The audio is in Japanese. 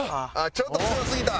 ちょっと強すぎた。